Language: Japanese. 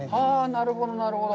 なるほど、なるほど。